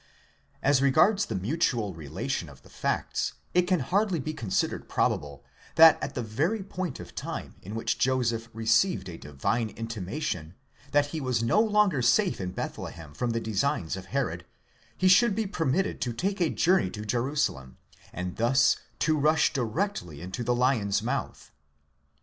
As regards the mutual relation of the facts, it can hardly be considered probable, that at the very point of time in which Joseph received a divine intimation, that he was no longer safe in Bethlehem from the designs of Herod, he should be permitted to take a journey to Jerusalem, and thus to rush directly into the lion's mouth.